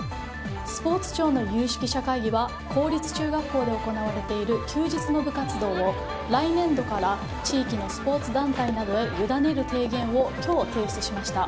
スポーツ庁の有識者会議は公立中学校で行われている休日の部活動を、来年度から地域のスポーツ団体などへ委ねる提言を今日、提出しました。